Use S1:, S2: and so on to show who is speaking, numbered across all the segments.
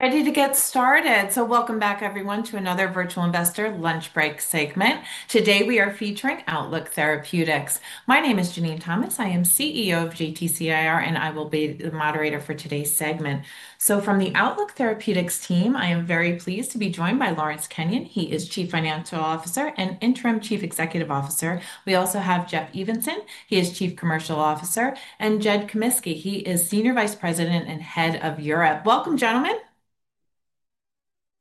S1: Ready to get started. Welcome back, everyone, to another Virtual Investor Lunch Break segment. Today we are featuring Outlook Therapeutics. My name is Janine Thomas. I am CEO of JTCIR, and I will be the moderator for today's segment. From the Outlook Therapeutics team, I am very pleased to be joined by Lawrence Kenyon. He is Chief Financial Officer and Interim Chief Executive Officer. We also have Jeff Evanson. He is Chief Commercial Officer. And Jed Komiski. He is Senior Vice President and Head of Europe. Welcome, gentlemen.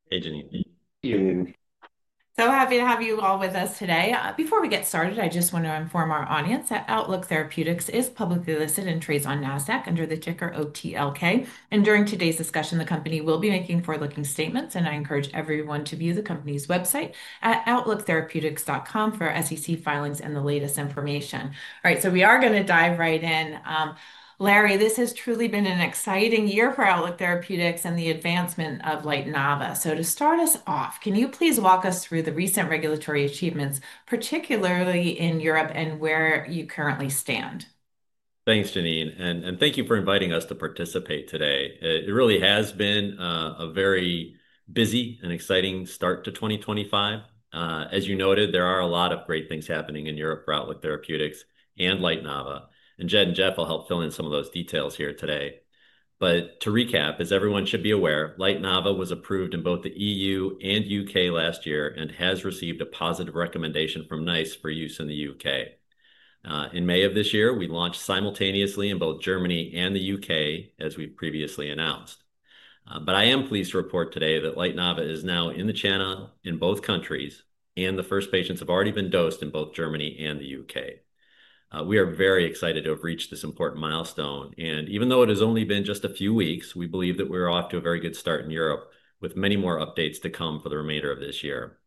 S2: Hey, Janine.
S3: Hey, Janine.
S1: So happy to have you all with us today. Before we get started, I just want to inform our audience that Outlook Therapeutics is publicly listed and trades on NASDAQ under the ticker OTLK. During today's discussion, the company will be making forward-looking statements. I encourage everyone to view the company's website at outlooktherapeutics.com for SEC filings and the latest information. All right, we are going to dive right in. Larry, this has truly been an exciting year for Outlook Therapeutics and the advancement of LightNava. To start us off, can you please walk us through the recent regulatory achievements, particularly in Europe, and where you currently stand?
S2: Thanks, Janine. And thank you for inviting us to participate today. It really has been a very busy and exciting start to 2025. As you noted, there are a lot of great things happening in Europe for Outlook Therapeutics and LightNava. And Jed and Jeff will help fill in some of those details here today. But to recap, as everyone should be aware, LightNava was approved in both the EU and U.K. last year and has received a positive recommendation from NICE for use in the U.K. In May of this year, we launched simultaneously in both Germany and the U.K., as we previously announced. But I am pleased to report today that LightNava is now in the channel in both countries, and the first patients have already been dosed in both Germany and the U.K. We are very excited to have reached this important milestone. Even though it has only been just a few weeks, we believe that we're off to a very good start in Europe, with many more updates to come for the remainder of this year.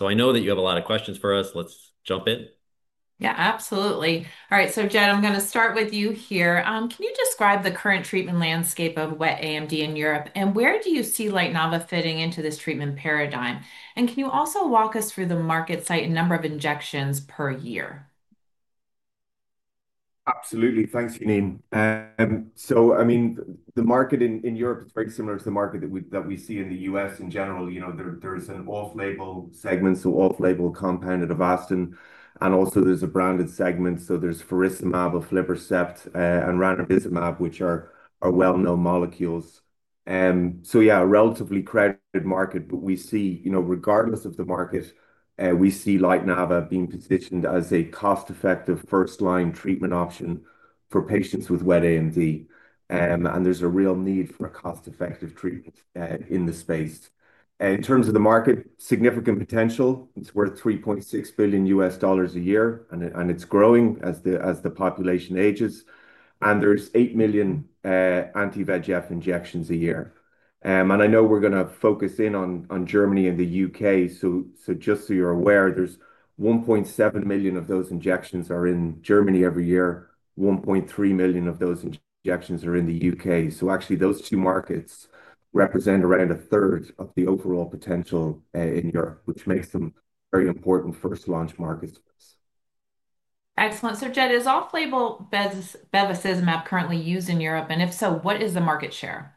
S2: I know that you have a lot of questions for us. Let's jump in.
S1: Yeah, absolutely. All right, so Jed, I'm going to start with you here. Can you describe the current treatment landscape of wet AMD in Europe, and where do you see LightNava fitting into this treatment paradigm? Can you also walk us through the market size and number of injections per year?
S3: Absolutely. Thanks, Janine. I mean, the market in Europe is very similar to the market that we see in the U.S. in general. You know, there's an off-label segment, so off-label compounded Avastin. Also, there's a branded segment. There's Faricimab, Aflibercept, and Ranibizumab, which are well-known molecules. Yeah, a relatively crowded market. We see, you know, regardless of the market, we see LightNava being positioned as a cost-effective first-line treatment option for patients with Wet AMD. There's a real need for a cost-effective treatment in the space. In terms of the market, significant potential. It's worth $3.6 billion a year, and it's growing as the population ages. There are 8 million anti-VEGF injections a year. I know we're going to focus in on Germany and the U.K. Just so you're aware, there are 1.7 million of those injections that are in Germany every year. 1.3 million of those injections are in the U.K. Actually, those two markets represent around a third of the overall potential in Europe, which makes them very important first launch markets.
S1: Excellent. Jed, is off-label bevacizumab currently used in Europe? If so, what is the market share?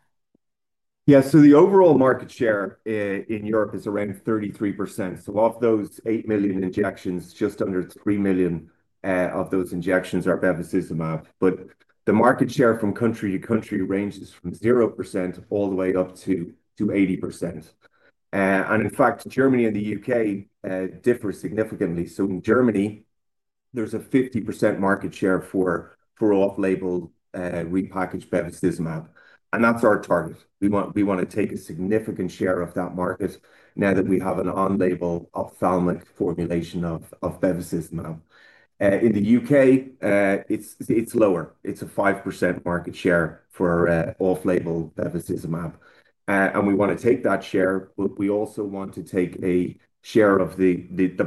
S3: Yeah, so the overall market share in Europe is around 33%. Of those 8 million injections, just under 3 million of those injections are bevacizumab. The market share from country to country ranges from 0% all the way up to 80%. In fact, Germany and the U.K. differ significantly. In Germany, there's a 50% market share for off-label repackaged bevacizumab. That's our target. We want to take a significant share of that market now that we have an on-label ophthalmic formulation of bevacizumab. In the U.K., it's lower. It's a 5% market share for off-label bevacizumab. We want to take that share. We also want to take a share of the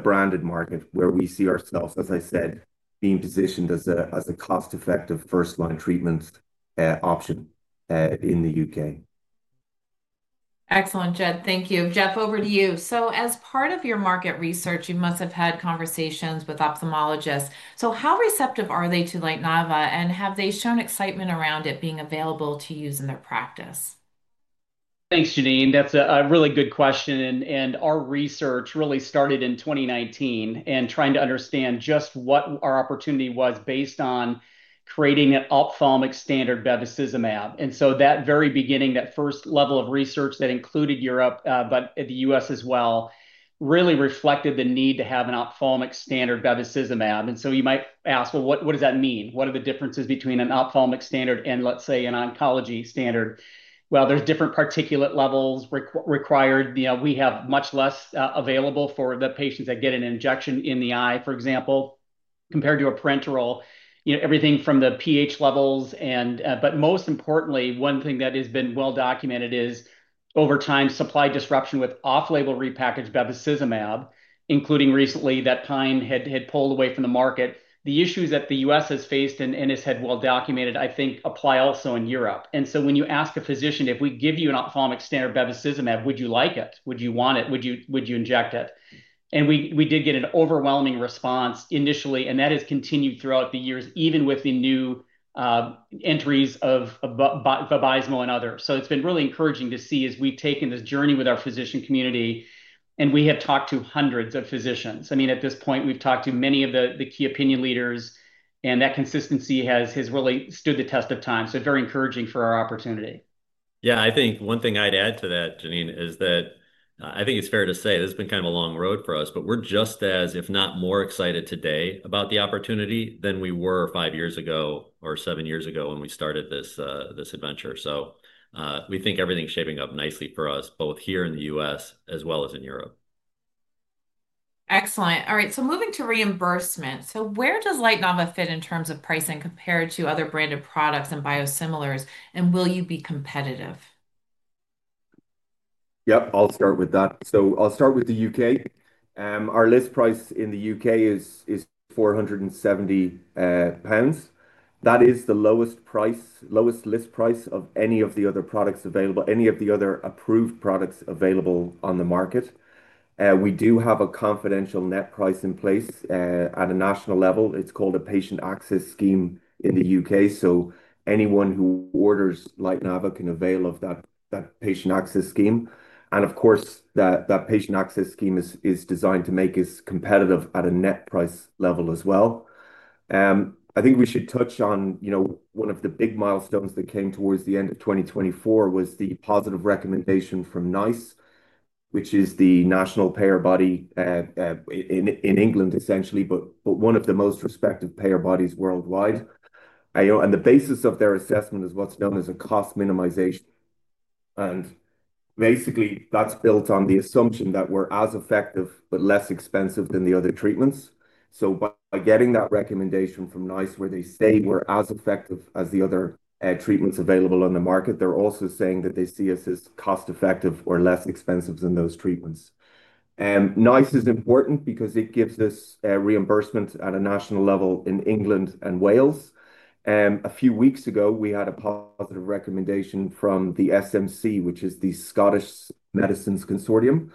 S3: branded market where we see ourselves, as I said, being positioned as a cost-effective first-line treatment option in the U.K.
S1: Excellent, Jed. Thank you. Jeff, over to you. As part of your market research, you must have had conversations with ophthalmologists. How receptive are they to LightNava? Have they shown excitement around it being available to use in their practice?
S4: Thanks, Janine. That's a really good question. Our research really started in 2019 and trying to understand just what our opportunity was based on creating an ophthalmic standard bevacizumab. At that very beginning, that first level of research that included Europe, but the US as well, really reflected the need to have an ophthalmic standard bevacizumab. You might ask, what does that mean? What are the differences between an ophthalmic standard and, let's say, an oncology standard? There are different particulate levels required. We have much less available for the patients that get an injection in the eye, for example, compared to a parenteral. Everything from the pH levels. Most importantly, one thing that has been well documented is, over time, supply disruption with off-label repackaged bevacizumab, including recently that PINE had pulled away from the market. The issues that the U.S. has faced and has had well documented, I think, apply also in Europe. When you ask a physician, if we give you an ophthalmic standard bevacizumab, would you like it? Would you want it? Would you inject it? We did get an overwhelming response initially. That has continued throughout the years, even with the new entries of Vabysmo and others. It has been really encouraging to see as we've taken this journey with our physician community. We have talked to hundreds of physicians. I mean, at this point, we've talked to many of the key opinion leaders. That consistency has really stood the test of time. Very encouraging for our opportunity.
S2: Yeah, I think one thing I'd add to that, Janine, is that I think it's fair to say this has been kind of a long road for us. We are just as, if not more, excited today about the opportunity than we were five years ago or seven years ago when we started this adventure. We think everything's shaping up nicely for us, both here in the U.S. as well as in Europe.
S1: Excellent. All right, moving to reimbursement. Where does LightNava fit in terms of pricing compared to other branded products and biosimilars? Will you be competitive?
S3: Yep, I'll start with that. I'll start with the U.K. Our list price in the U.K. is 470 pounds. That is the lowest list price of any of the other products available, any of the other approved products available on the market. We do have a confidential net price in place at a national level. It's called a patient access scheme in the U.K. Anyone who orders LightNava can avail of that patient access scheme. Of course, that patient access scheme is designed to make us competitive at a net price level as well. I think we should touch on one of the big milestones that came towards the end of 2024, which was the positive recommendation from NICE, which is the national payer body in England, essentially, but one of the most respected payer bodies worldwide. The basis of their assessment is what's known as a cost minimization. Basically, that's built on the assumption that we're as effective but less expensive than the other treatments. By getting that recommendation from NICE, where they say we're as effective as the other treatments available on the market, they're also saying that they see us as cost-effective or less expensive than those treatments. NICE is important because it gives us reimbursement at a national level in England and Wales. A few weeks ago, we had a positive recommendation from the SMC, which is the Scottish Medicines Consortium.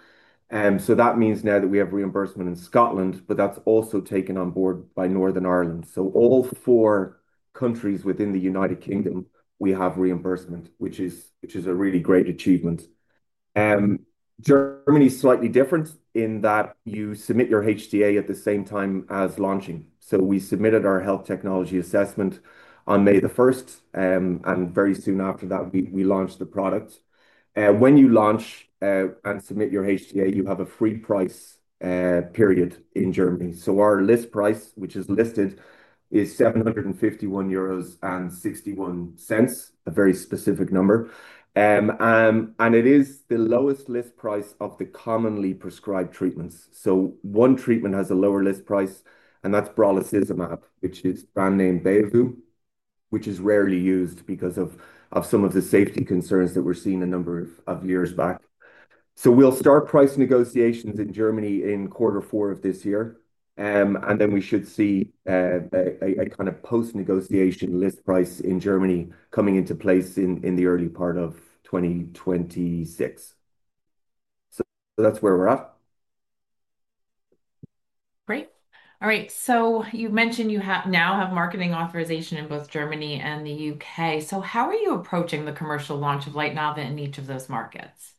S3: That means now that we have reimbursement in Scotland, but that's also taken on board by Northern Ireland. All four countries within the U.K., we have reimbursement, which is a really great achievement. Germany is slightly different in that you submit your HTA at the same time as launching. We submitted our health technology assessment on May the 1st. Very soon after that, we launched the product. When you launch and submit your HTA, you have a free price period in Germany. Our list price, which is listed, is 751.61 euros, a very specific number. It is the lowest list price of the commonly prescribed treatments. One treatment has a lower list price, and that is brolucizumab, which is brand name Beovu, which is rarely used because of some of the safety concerns that were seen a number of years back. We will start price negotiations in Germany in quarter four of this year. We should see a kind of post-negotiation list price in Germany coming into place in the early part of 2026. That's where we're at.
S1: Great. All right. You mentioned you now have marketing authorization in both Germany and the U.K. How are you approaching the commercial launch of LightNava in each of those markets?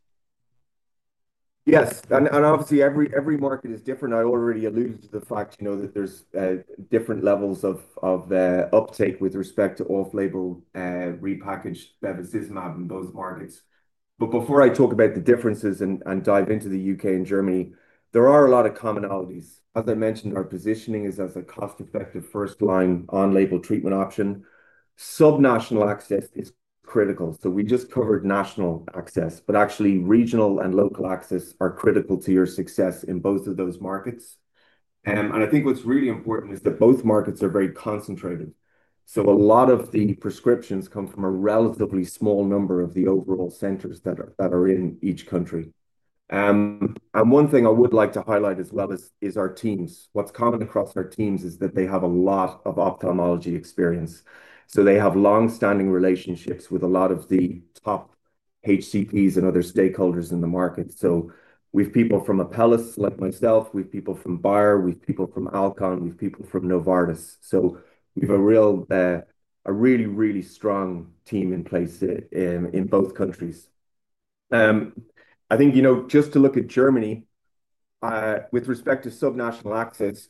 S3: Yes. Obviously, every market is different. I already alluded to the fact, you know, that there's different levels of uptake with respect to off-label repackaged bevacizumab in both markets. Before I talk about the differences and dive into the U.K. and Germany, there are a lot of commonalities. As I mentioned, our positioning is as a cost-effective first-line on-label treatment option. Subnational access is critical. We just covered national access. Actually, regional and local access are critical to your success in both of those markets. I think what's really important is that both markets are very concentrated. A lot of the prescriptions come from a relatively small number of the overall centers that are in each country. One thing I would like to highlight as well is our teams. What's common across our teams is that they have a lot of ophthalmology experience. They have long-standing relationships with a lot of the top HCPs and other stakeholders in the market. We have people from Apellis, like myself. We have people from Bayer. We have people from Alcon. We have people from Novartis. We have a really, really strong team in place in both countries. I think, you know, just to look at Germany with respect to subnational access,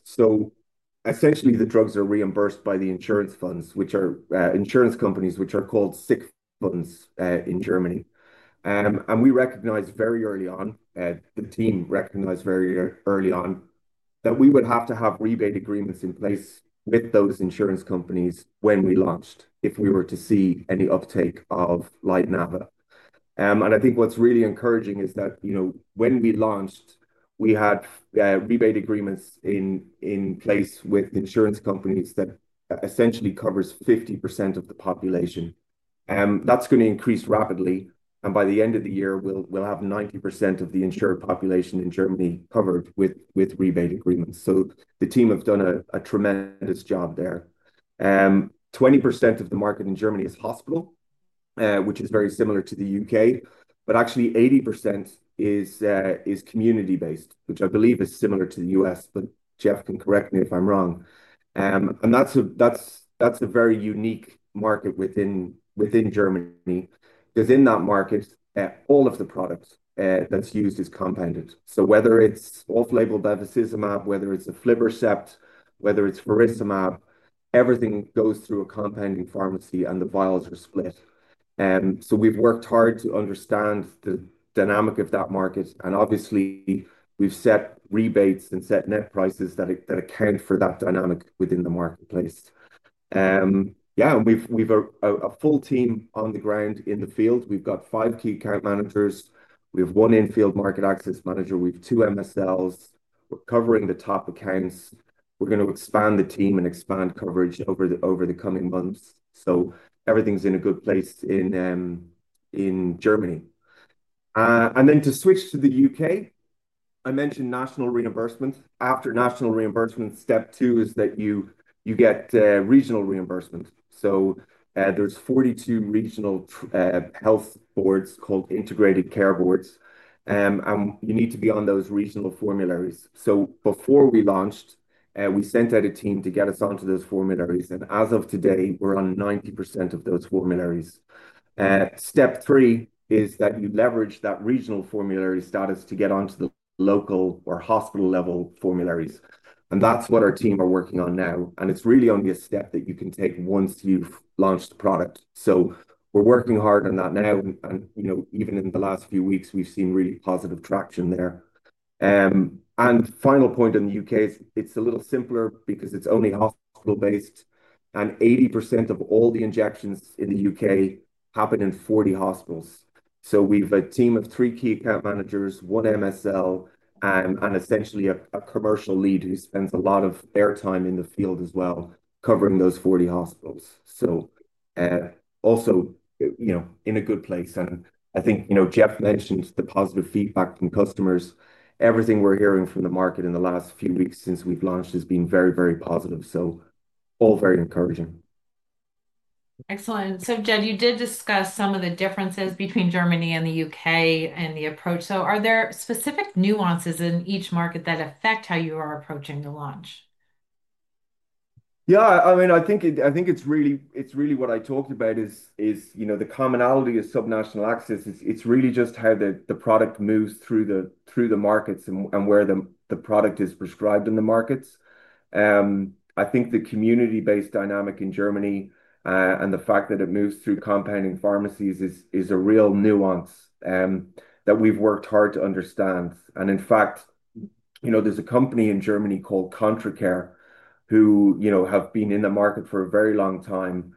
S3: essentially, the drugs are reimbursed by the insurance funds, which are insurance companies called SIC funds in Germany. We recognized very early on, the team recognized very early on that we would have to have rebate agreements in place with those insurance companies when we launched if we were to see any uptake of LightNava. I think what's really encouraging is that, you know, when we launched, we had rebate agreements in place with insurance companies that essentially cover 50% of the population. That's going to increase rapidly. By the end of the year, we'll have 90% of the insured population in Germany covered with rebate agreements. The team have done a tremendous job there. 20% of the market in Germany is hospital, which is very similar to the U.K. Actually, 80% is community-based, which I believe is similar to the U.S., but Jeff can correct me if I'm wrong. That's a very unique market within Germany because in that market, all of the product that's used is compounded. Whether it's off-label bevacizumab, whether it's Aflibercept, whether it's Furosemab, everything goes through a compounding pharmacy, and the vials are split. We have worked hard to understand the dynamic of that market. Obviously, we have set rebates and set net prices that account for that dynamic within the marketplace. Yeah, and we have a full team on the ground in the field. We have five key account managers. We have one in-field market access manager. We have two MSLs. We are covering the top accounts. We are going to expand the team and expand coverage over the coming months. Everything is in a good place in Germany. To switch to the U.K., I mentioned national reimbursement. After national reimbursement, step two is that you get regional reimbursement. There are 42 regional health boards called Integrated Care Boards. You need to be on those regional formularies. Before we launched, we sent out a team to get us onto those formularies. As of today, we are on 90% of those formularies. Step three is that you leverage that regional formulary status to get onto the local or hospital-level formularies. That is what our team are working on now. It is really only a step that you can take once you have launched the product. We are working hard on that now. Even in the last few weeks, we have seen really positive traction there. Final point on the U.K., it is a little simpler because it is only hospital-based. 80% of all the injections in the U.K. happen in 40 hospitals. We have a team of three key account managers, one MSL, and essentially a commercial lead who spends a lot of airtime in the field as well covering those 40 hospitals. Also, you know, in a good place. I think, you know, Jeff mentioned the positive feedback from customers. Everything we're hearing from the market in the last few weeks since we've launched has been very, very positive. All very encouraging.
S1: Excellent. Jed, you did discuss some of the differences between Germany and the U.K. and the approach. Are there specific nuances in each market that affect how you are approaching the launch?
S3: Yeah. I mean, I think it's really what I talked about is, you know, the commonality of subnational access. It's really just how the product moves through the markets and where the product is prescribed in the markets. I think the community-based dynamic in Germany and the fact that it moves through compounding pharmacies is a real nuance that we've worked hard to understand. In fact, you know, there's a company in Germany called Contracare who, you know, have been in the market for a very long time.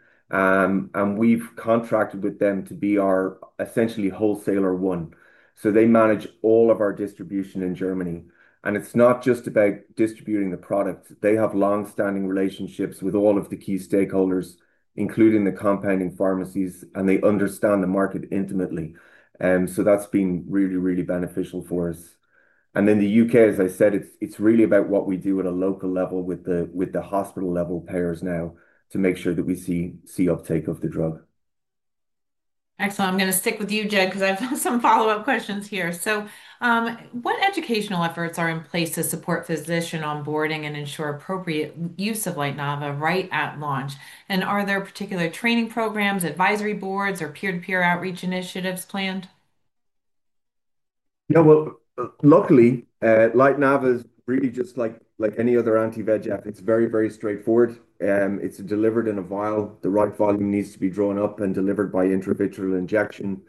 S3: We've contracted with them to be our essentially wholesaler one. They manage all of our distribution in Germany. It's not just about distributing the product. They have long-standing relationships with all of the key stakeholders, including the compounding pharmacies. They understand the market intimately. That's been really, really beneficial for us. The U.K., as I said, it's really about what we do at a local level with the hospital-level payers now to make sure that we see uptake of the drug.
S1: Excellent. I'm going to stick with you, Jed, because I've got some follow-up questions here. What educational efforts are in place to support physician onboarding and ensure appropriate use of LightNava right at launch? Are there particular training programs, advisory boards, or peer-to-peer outreach initiatives planned?
S3: Yeah. Luckily, LightNava is really just like any other anti-VEGF. It's very, very straightforward. It's delivered in a vial. The right volume needs to be drawn up and delivered by intravitreal injection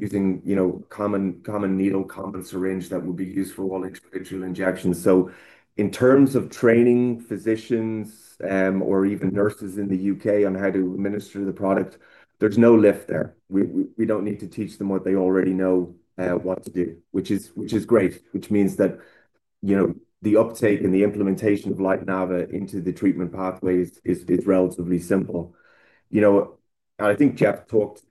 S3: using common needle, common syringe that will be used for all intravitreal injections. In terms of training physicians or even nurses in the U.K. on how to administer the product, there's no lift there. We don't need to teach them what they already know what to do, which is great, which means that the uptake and the implementation of LightNava into the treatment pathway is relatively simple. You know, I think Jeff talked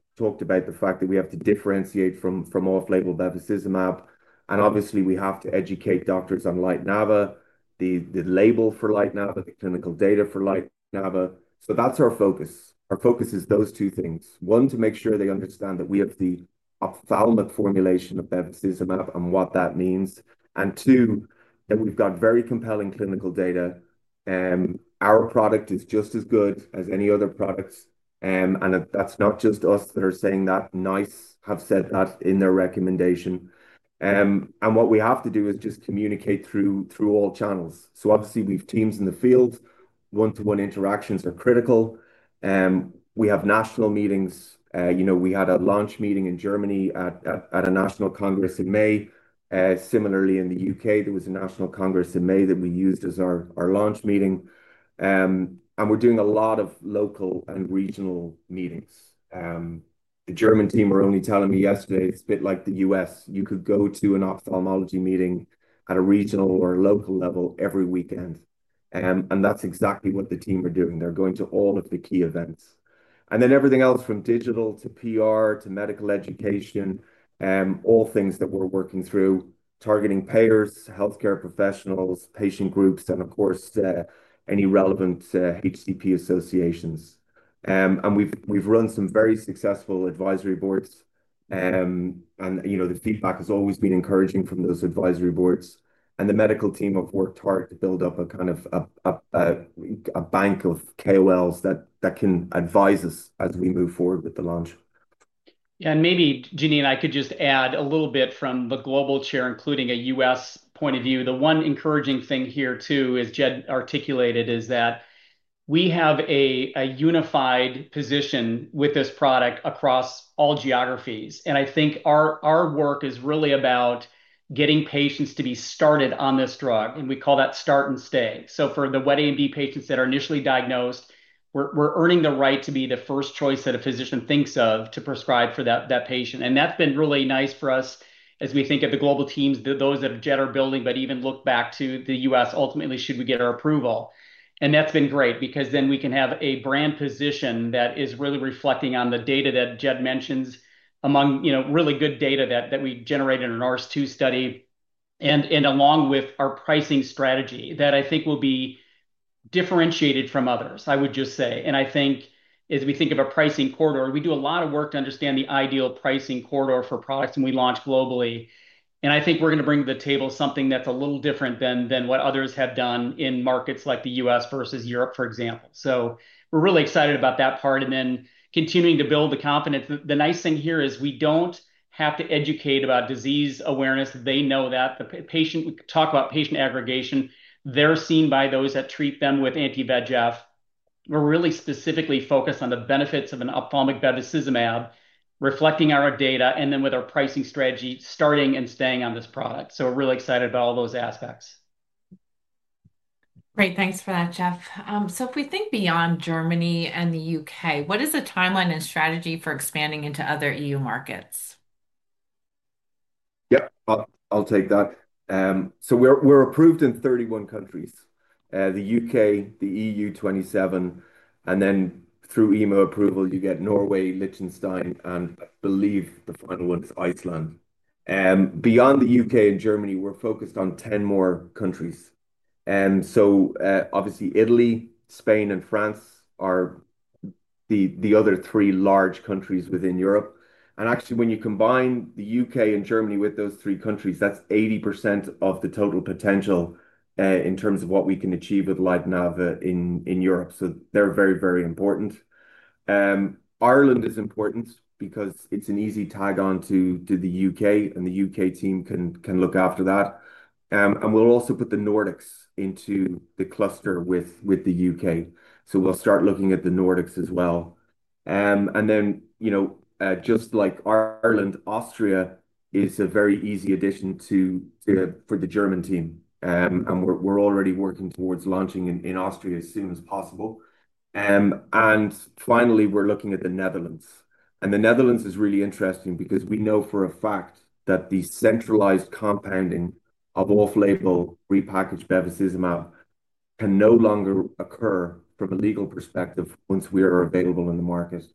S3: about the fact that we have to differentiate from off-label bevacizumab. Obviously, we have to educate doctors on LightNava, the label for LightNava, the clinical data for LightNava. That's our focus. Our focus is those two things. One, to make sure they understand that we have the ophthalmic formulation of bevacizumab and what that means. Two, that we've got very compelling clinical data. Our product is just as good as any other products. That's not just us that are saying that. NICE have said that in their recommendation. What we have to do is just communicate through all channels. Obviously, we have teams in the field. One-to-one interactions are critical. We have national meetings. You know, we had a launch meeting in Germany at a national congress in May. Similarly, in the U.K., there was a national congress in May that we used as our launch meeting. We're doing a lot of local and regional meetings. The German team were only telling me yesterday it's a bit like the U.S. You could go to an ophthalmology meeting at a regional or local level every weekend. That is exactly what the team are doing. They are going to all of the key events. Everything else from digital to PR to medical education, all things that we are working through, targeting payers, healthcare professionals, patient groups, and of course, any relevant HCP associations. We have run some very successful advisory boards. The feedback has always been encouraging from those advisory boards. The medical team have worked hard to build up a kind of a bank of KOLs that can advise us as we move forward with the launch.
S4: Yeah. Maybe, Janine, I could just add a little bit from the global chair, including a U.S. point of view. The one encouraging thing here, too, as Jed articulated, is that we have a unified position with this product across all geographies. I think our work is really about getting patients to be started on this drug. We call that start and stay. For the wet AMD patients that are initially diagnosed, we're earning the right to be the first choice that a physician thinks of to prescribe for that patient. That has been really nice for us as we think of the global teams, those that Jed is building, but even look back to the U.S. ultimately, should we get our approval. That has been great because we can have a brand position that is really reflecting on the data that Jed mentions among really good data that we generated in our RS2 study, and along with our pricing strategy that I think will be differentiated from others, I would just say. I think as we think of a pricing corridor, we do a lot of work to understand the ideal pricing corridor for products when we launch globally. I think we are going to bring to the table something that is a little different than what others have done in markets like the US versus Europe, for example. We are really excited about that part and then continuing to build the confidence. The nice thing here is we do not have to educate about disease awareness. They know that. We talk about patient aggregation. They're seen by those that treat them with anti-VEGF. We're really specifically focused on the benefits of an ophthalmic bevacizumab, reflecting our data, and then with our pricing strategy, starting and staying on this product. We're really excited about all those aspects.
S1: Great. Thanks for that, Jeff. If we think beyond Germany and the U.K., what is the timeline and strategy for expanding into other EU markets?
S3: Yep. I'll take that. We're approved in 31 countries: the U.K., the EU 27. Then through EMA approval, you get Norway, Liechtenstein, and I believe the final one is Iceland. Beyond the U.K. and Germany, we're focused on 10 more countries. Obviously, Italy, Spain, and France are the other three large countries within Europe. Actually, when you combine the U.K. and Germany with those three countries, that's 80% of the total potential in terms of what we can achieve with LightNava in Europe. They're very, very important. Ireland is important because it's an easy tag on to the U.K., and the U.K. team can look after that. We'll also put the Nordics into the cluster with the U.K. We'll start looking at the Nordics as well. You know, just like Ireland, Austria is a very easy addition for the German team. We're already working towards launching in Austria as soon as possible. Finally, we're looking at the Netherlands. The Netherlands is really interesting because we know for a fact that the centralized compounding of off-label repackaged bevacizumab can no longer occur from a legal perspective once we are available in the market.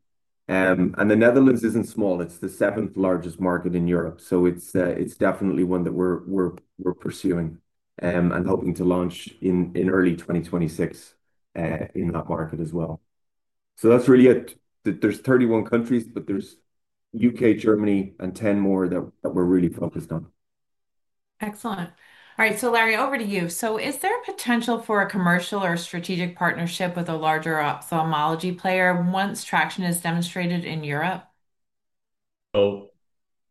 S3: The Netherlands is not small. It is the seventh largest market in Europe. It is definitely one that we're pursuing and hoping to launch in early 2026 in that market as well. That is really it. There are 31 countries, but there is the U.K., Germany, and 10 more that we're really focused on.
S1: Excellent. All right. Larry, over to you. Is there a potential for a commercial or strategic partnership with a larger ophthalmology player once traction is demonstrated in Europe?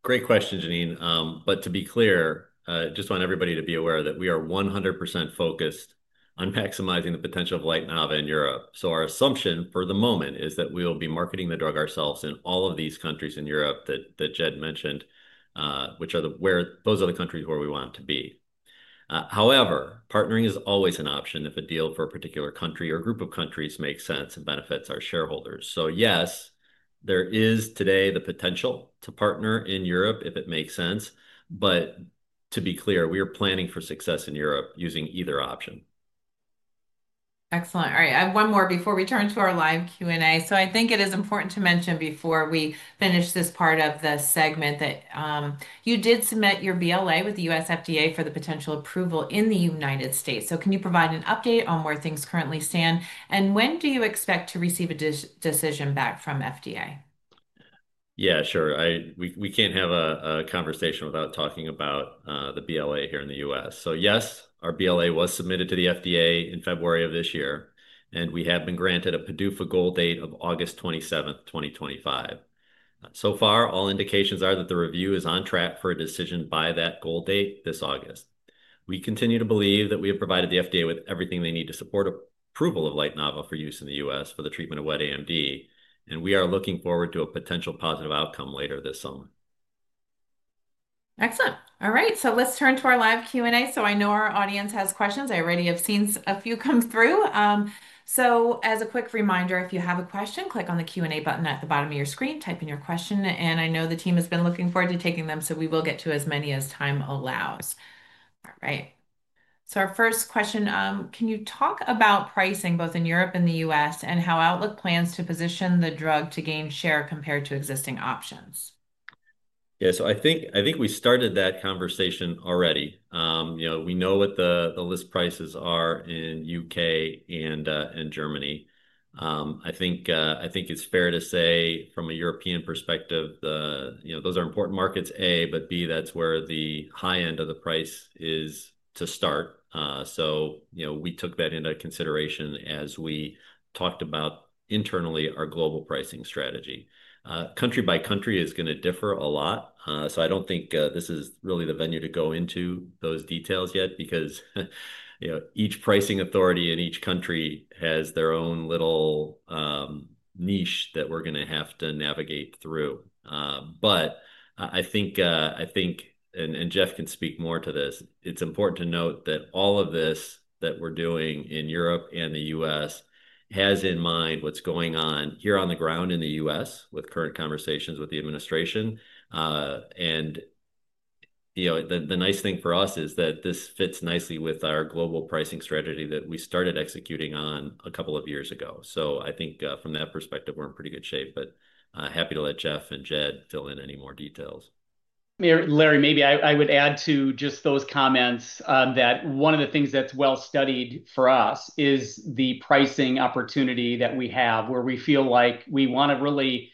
S2: Great question, Janine. To be clear, I just want everybody to be aware that we are 100% focused on maximizing the potential of LightNava in Europe. Our assumption for the moment is that we will be marketing the drug ourselves in all of these countries in Europe that Jed mentioned, which are the countries where we want to be. However, partnering is always an option if a deal for a particular country or group of countries makes sense and benefits our shareholders. Yes, there is today the potential to partner in Europe if it makes sense. To be clear, we are planning for success in Europe using either option.
S1: Excellent. All right. I have one more before we turn to our live Q&A. I think it is important to mention before we finish this part of the segment that you did submit your BLA with the U.S. FDA for the potential approval in the United States. Can you provide an update on where things currently stand? When do you expect to receive a decision back from FDA?
S2: Yeah, sure. We can't have a conversation without talking about the BLA here in the U.S. Yes, our BLA was submitted to the FDA in February of this year. We have been granted a PDUFA goal date of August 27, 2025. So far, all indications are that the review is on track for a decision by that goal date this August. We continue to believe that we have provided the FDA with everything they need to support approval of LightNava for use in the U.S. for the treatment of wet AMD. We are looking forward to a potential positive outcome later this summer.
S1: Excellent. All right. Let's turn to our live Q&A. I know our audience has questions. I already have seen a few come through. As a quick reminder, if you have a question, click on the Q&A button at the bottom of your screen, type in your question. I know the team has been looking forward to taking them, so we will get to as many as time allows. All right. Our first question, can you talk about pricing both in Europe and the US and how Outlook plans to position the drug to gain share compared to existing options?
S2: Yeah. I think we started that conversation already. We know what the list prices are in the U.K. and Germany. I think it's fair to say from a European perspective, those are important markets, A, but B, that's where the high end of the price is to start. We took that into consideration as we talked about internally our global pricing strategy. Country by country is going to differ a lot. I don't think this is really the venue to go into those details yet because each pricing authority in each country has their own little niche that we're going to have to navigate through. I think, and Jeff can speak more to this, it's important to note that all of this that we're doing in Europe and the U.S. has in mind what's going on here on the ground in the U.S. with current conversations with the administration. The nice thing for us is that this fits nicely with our global pricing strategy that we started executing on a couple of years ago. I think from that perspective, we're in pretty good shape. Happy to let Jeff and Jed fill in any more details.
S4: Larry, maybe I would add to just those comments that one of the things that's well-studied for us is the pricing opportunity that we have where we feel like we want to really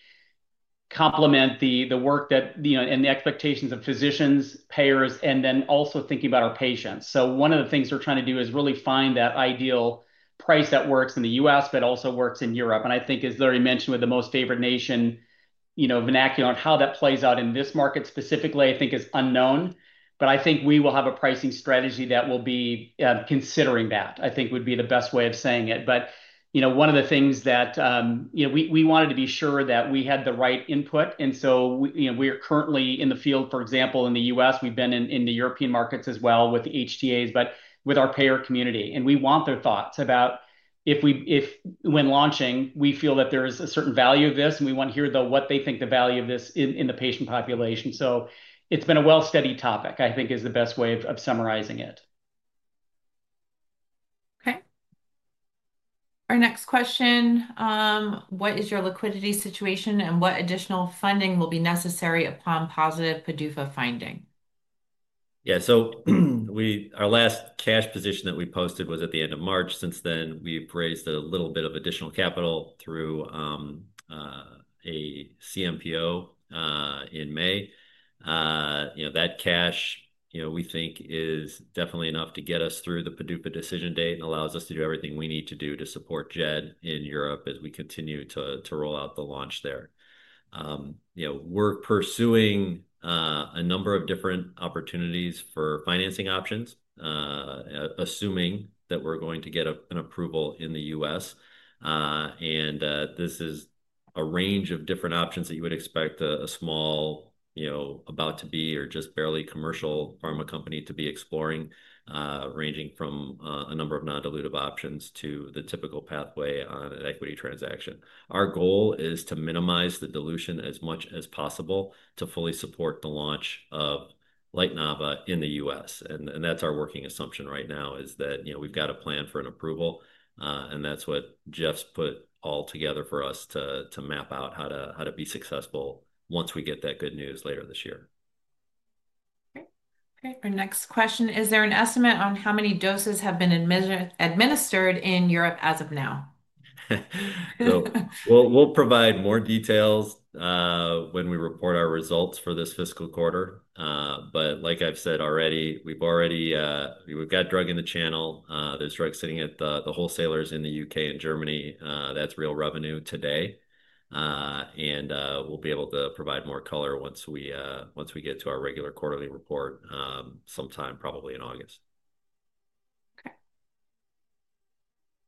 S4: complement the work and the expectations of physicians, payers, and then also thinking about our patients. One of the things we're trying to do is really find that ideal price that works in the U.S., but also works in Europe. I think, as Larry mentioned, with the most favorite nation vernacular, how that plays out in this market specifically, I think, is unknown. I think we will have a pricing strategy that will be considering that, I think, would be the best way of saying it. One of the things that we wanted to be sure that we had the right input. We are currently in the field, for example, in the U.S. We've been in the European markets as well with the HTAs, but with our payer community. We want their thoughts about if when launching, we feel that there is a certain value of this. We want to hear, though, what they think the value of this in the patient population. It has been a well-studied topic, I think, is the best way of summarizing it.
S1: Okay. Our next question, what is your liquidity situation and what additional funding will be necessary upon positive PDUFA finding?
S2: Yeah. Our last cash position that we posted was at the end of March. Since then, we've raised a little bit of additional capital through a CMPO in May. That cash, we think, is definitely enough to get us through the PDUFA decision date and allows us to do everything we need to do to support Jed in Europe as we continue to roll out the launch there. We're pursuing a number of different opportunities for financing options, assuming that we're going to get an approval in the U.S. This is a range of different options that you would expect a small, about-to-be, or just barely commercial pharma company to be exploring, ranging from a number of non-dilutive options to the typical pathway on an equity transaction. Our goal is to minimize the dilution as much as possible to fully support the launch of LightNava in the U.S. Our working assumption right now is that we've got a plan for an approval. That's what Jeff's put all together for us to map out how to be successful once we get that good news later this year.
S1: Okay. Great. Our next question, is there an estimate on how many doses have been administered in Europe as of now?
S2: We will provide more details when we report our results for this fiscal quarter. Like I have said already, we have got drug in the channel. There is drug sitting at the wholesalers in the U.K. and Germany. That is real revenue today. We will be able to provide more color once we get to our regular quarterly report sometime, probably in August.
S1: Okay.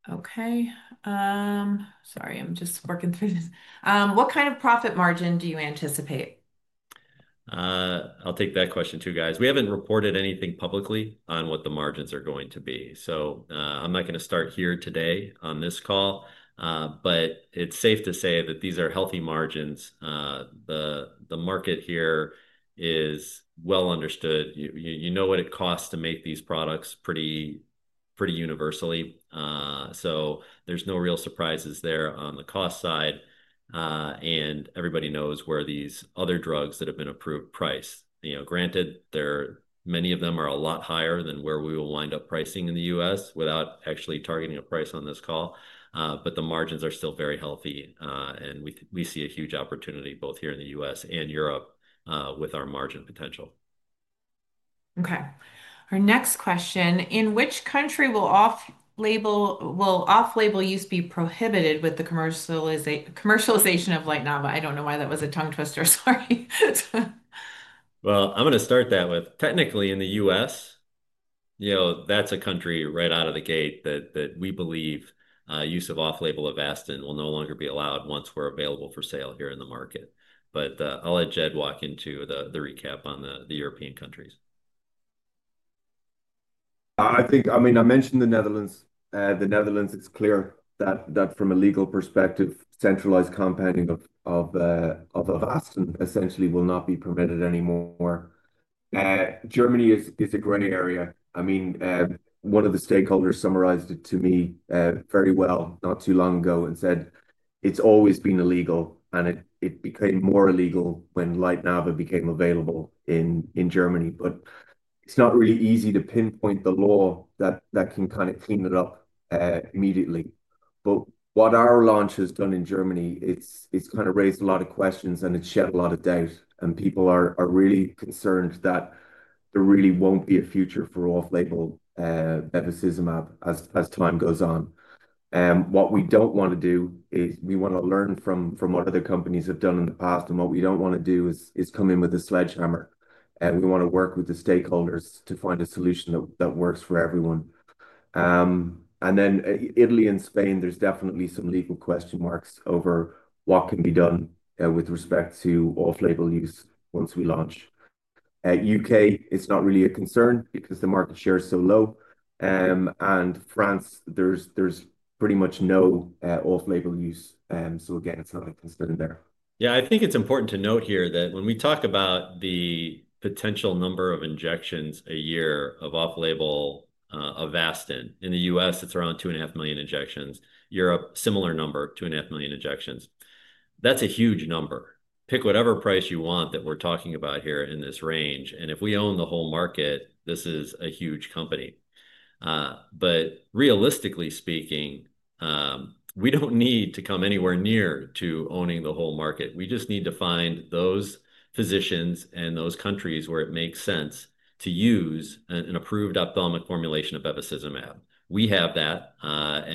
S1: Okay. Sorry, I'm just working through this. What kind of profit margin do you anticipate?
S2: I'll take that question too, guys. We haven't reported anything publicly on what the margins are going to be. I'm not going to start here today on this call. It's safe to say that these are healthy margins. The market here is well understood. You know what it costs to make these products pretty universally. There's no real surprises there on the cost side. Everybody knows where these other drugs that have been approved priced. Granted, many of them are a lot higher than where we will wind up pricing in the U.S. without actually targeting a price on this call. The margins are still very healthy. We see a huge opportunity both here in the U.S. and Europe with our margin potential.
S1: Okay. Our next question, in which country will off-label use be prohibited with the commercialization of LightNava? I don't know why that was a tongue twister. Sorry.
S2: I'm going to start that with. Technically, in the U.S., that's a country right out of the gate that we believe use of off-label Avastin will no longer be allowed once we're available for sale here in the market. I'll let Jed walk into the recap on the European countries.
S3: I mean, I mentioned the Netherlands. The Netherlands, it's clear that from a legal perspective, centralized compounding of Avastin essentially will not be permitted anymore. Germany is a gray area. I mean, one of the stakeholders summarized it to me very well not too long ago and said, "It's always been illegal." It became more illegal when LightNava became available in Germany. It's not really easy to pinpoint the law that can kind of clean it up immediately. What our launch has done in Germany, it's kind of raised a lot of questions and it's shed a lot of doubt. People are really concerned that there really won't be a future for off-label bevacizumab as time goes on. What we don't want to do is we want to learn from what other companies have done in the past. What we do not want to do is come in with a sledgehammer. We want to work with the stakeholders to find a solution that works for everyone. Italy and Spain, there are definitely some legal question marks over what can be done with respect to off-label use once we launch. In the U.K., it is not really a concern because the market share is so low. In France, there is pretty much no off-label use. Again, it is not a concern there.
S2: Yeah. I think it's important to note here that when we talk about the potential number of injections a year of off-label Avastin, in the U.S., it's around 2.5 million injections. Europe, similar number, 2.5 million injections. That's a huge number. Pick whatever price you want that we're talking about here in this range. If we own the whole market, this is a huge company. Realistically speaking, we don't need to come anywhere near to owning the whole market. We just need to find those physicians and those countries where it makes sense to use an approved ophthalmic formulation of bevacizumab. We have that.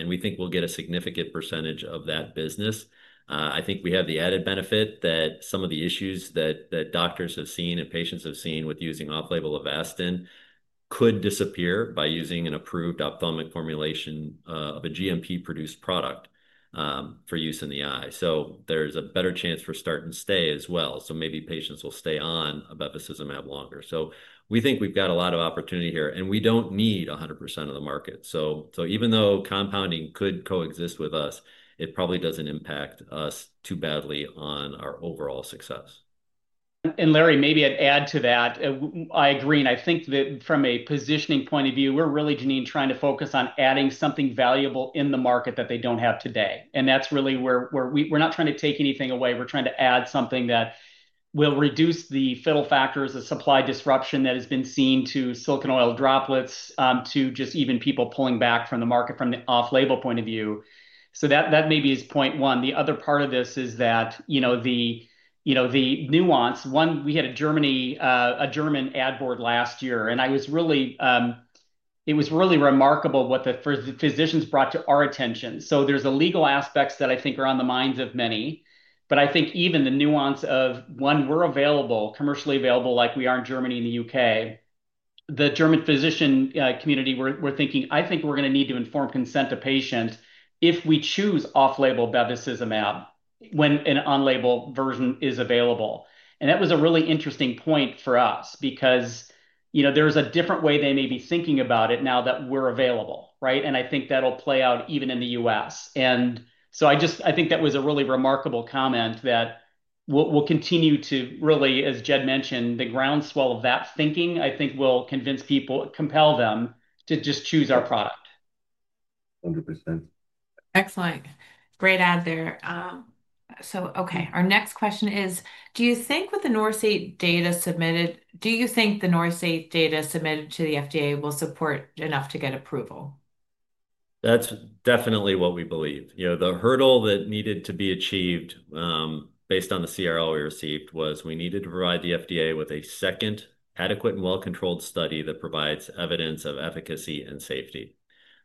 S2: We think we'll get a significant percentage of that business. I think we have the added benefit that some of the issues that doctors have seen and patients have seen with using off-label Avastin could disappear by using an approved ophthalmic formulation of a GMP-produced product for use in the eye. There is a better chance for start and stay as well. Maybe patients will stay on a bevacizumab longer. We think we have got a lot of opportunity here. We do not need 100% of the market. Even though compounding could coexist with us, it probably does not impact us too badly on our overall success.
S4: Larry, maybe I'd add to that. I agree. I think that from a positioning point of view, we're really, Janine, trying to focus on adding something valuable in the market that they do not have today. That is really where we are not trying to take anything away. We are trying to add something that will reduce the fiddle factors, the supply disruption that has been seen, the silicone oil droplets, just even people pulling back from the market from the off-label point of view. That maybe is point one. The other part of this is the nuance. One, we had a German ad board last year. It was really remarkable what the physicians brought to our attention. There are legal aspects that I think are on the minds of many. I think even the nuance of, one, we're available, commercially available like we are in Germany and the U.K. The German physician community, we're thinking, "I think we're going to need to inform consent to patients if we choose off-label bevacizumab when an on-label version is available." That was a really interesting point for us because there's a different way they may be thinking about it now that we're available, right? I think that'll play out even in the U.S. I think that was a really remarkable comment that we'll continue to really, as Jed mentioned, the groundswell of that thinking, I think will convince people, compel them to just choose our product.
S3: 100%.
S1: Excellent. Great ad there. Okay. Our next question is, do you think with the NORCI data submitted, do you think the NORCI data submitted to the FDA will support enough to get approval?
S2: That's definitely what we believe. The hurdle that needed to be achieved based on the CRL we received was we needed to provide the FDA with a second adequate and well-controlled study that provides evidence of efficacy and safety.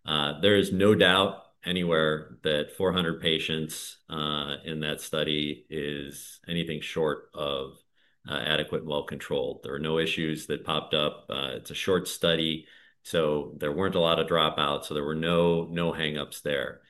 S2: There is no doubt anywhere that 400 patients in that study is anything short of adequate and well-controlled. There are no issues that popped up. It's a short study. There were not a lot of dropouts. There were no hang-ups there.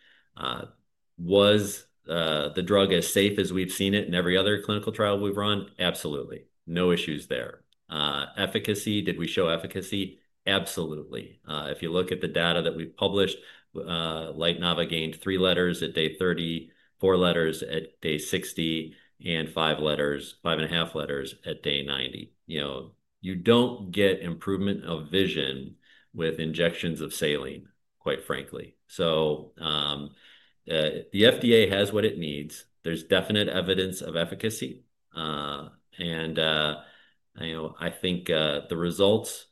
S2: Was the drug as safe as we've seen it in every other clinical trial we've run? Absolutely. No issues there. Efficacy, did we show efficacy? Absolutely. If you look at the data that we've published, LightNava gained three letters at day 30, four letters at day 60, and five and a half letters at day 90. You don't get improvement of vision with injections of saline, quite frankly. The FDA has what it needs. There's definite evidence of efficacy. I think the results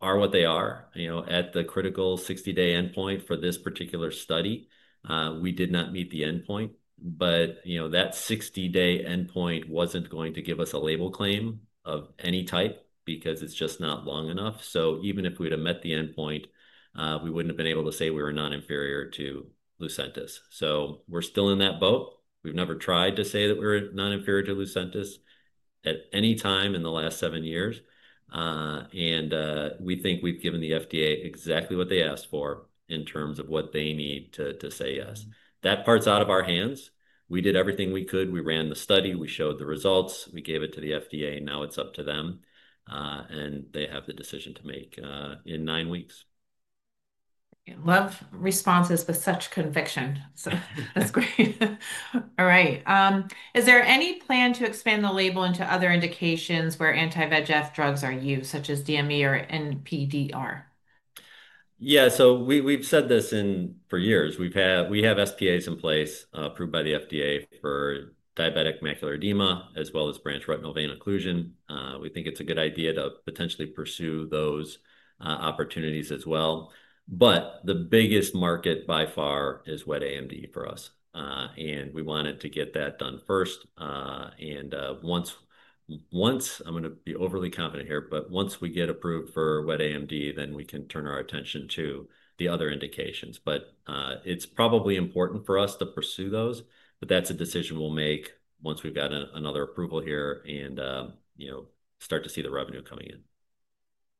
S2: are what they are. At the critical 60-day endpoint for this particular study, we did not meet the endpoint. That 60-day endpoint was not going to give us a label claim of any type because it's just not long enough. Even if we'd have met the endpoint, we would not have been able to say we were not inferior to Lucentis. We are still in that boat. We've never tried to say that we are not inferior to Lucentis at any time in the last seven years. We think we've given the FDA exactly what they asked for in terms of what they need to say yes. That part is out of our hands. We did everything we could. We ran the study. We showed the results. We gave it to the FDA. Now it's up to them. They have the decision to make in nine weeks.
S1: Love responses with such conviction. That's great. Is there any plan to expand the label into other indications where anti-VEGF drugs are used, such as DME or NPDR?
S2: Yeah. We have said this for years. We have SPAs in place approved by the FDA for diabetic macular edema as well as branch retinal vein occlusion. We think it is a good idea to potentially pursue those opportunities as well. The biggest market by far is wet AMD for us. We wanted to get that done first. I am going to be overly confident here, but once we get approved for wet AMD, then we can turn our attention to the other indications. It is probably important for us to pursue those. That is a decision we will make once we have got another approval here and start to see the revenue coming in.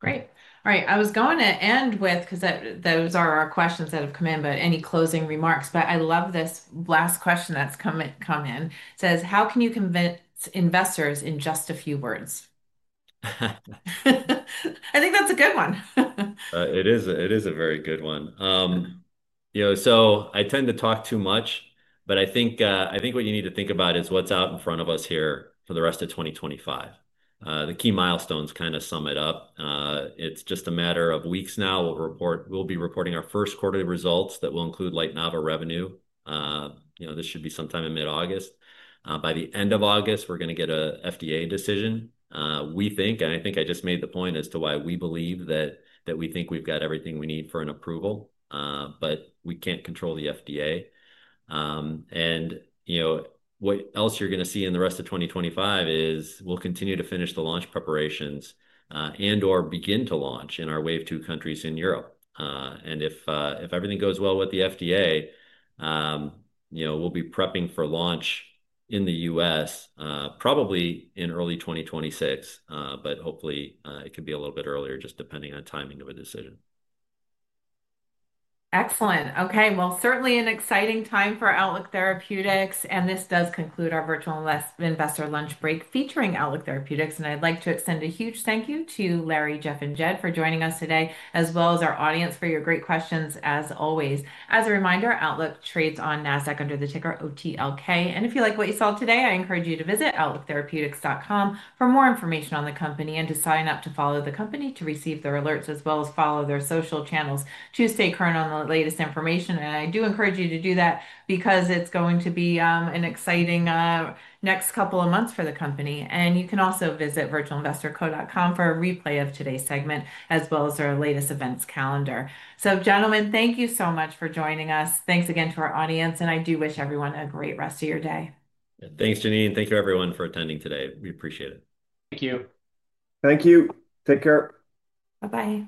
S2: Great. All right. I was going to end with, because those are our questions that have come in, but any closing remarks? I love this last question that's come in. It says, "How can you convince investors in just a few words?" I think that's a good one. It is a very good one. I tend to talk too much, but I think what you need to think about is what's out in front of us here for the rest of 2025. The key milestones kind of sum it up. It's just a matter of weeks now. We'll be reporting our first quarterly results that will include LightNava revenue. This should be sometime in mid-August. By the end of August, we're going to get an FDA decision. We think, and I think I just made the point as to why we believe that we think we've got everything we need for an approval, but we can't control the FDA. What else you're going to see in the rest of 2025 is we'll continue to finish the launch preparations and/or begin to launch in our Wave 2 countries in Europe. If everything goes well with the FDA, we'll be prepping for launch in the U.S. probably in early 2026, but hopefully it could be a little bit earlier, just depending on timing of a decision.
S1: Excellent. Okay. Certainly an exciting time for Outlook Therapeutics. This does conclude our virtual investor lunch break featuring Outlook Therapeutics. I'd like to extend a huge thank you to Larry, Jeff, and Jed for joining us today, as well as our audience for your great questions, as always. As a reminder, Outlook trades on NASDAQ under the ticker OTLK. If you like what you saw today, I encourage you to visit outlooktherapeutics.com for more information on the company and to sign up to follow the company to receive their alerts, as well as follow their social channels to stay current on the latest information. I do encourage you to do that because it's going to be an exciting next couple of months for the company. You can also visit virtualinvestorco.com for a replay of today's segment, as well as our latest events calendar. Gentlemen, thank you so much for joining us. Thanks again to our audience. I do wish everyone a great rest of your day.
S2: Thanks, Janine. Thank you, everyone, for attending today. We appreciate it.
S4: Thank you.
S3: Thank you. Take care.
S1: Bye-bye.
S2: Bye.